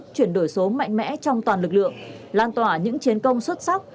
chuyển đổi số mạnh mẽ trong toàn lực lượng lan tỏa những chiến công xuất sắc